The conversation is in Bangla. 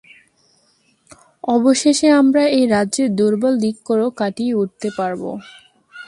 অবশেষে আমরা এই রাজ্যের দুর্বল দিকগুলো কাটিয়ে উঠতে পারবো।